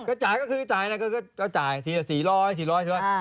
ก็จ่ายก็คือจ่ายนะก็จ่ายสี่ร้อยสี่ร้อย